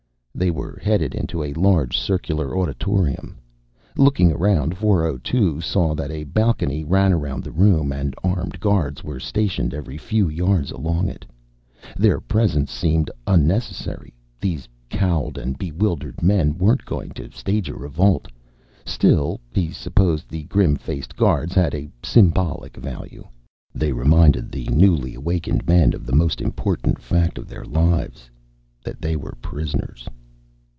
They were headed into a large circular auditorium. Looking around, 402 saw that a balcony ran around the room, and armed guards were stationed every few yards along it. Their presence seemed unnecessary; these cowed and bewildered men weren't going to stage a revolt. Still, he supposed the grim faced guards had a symbolic value. They reminded the newly awakened men of the most important fact of their lives: that they were prisoners.